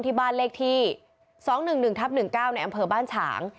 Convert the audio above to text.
ที่บ้านเลขที่๒๑๑ทับ๑๙ในอำเภอบ้านฉาง